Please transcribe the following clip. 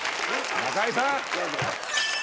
中居さん！